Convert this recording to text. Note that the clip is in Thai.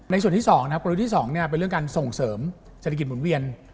ส่วนที่๒นะครับกรณีที่๒เป็นเรื่องการส่งเสริมเศรษฐกิจหมุนเวียน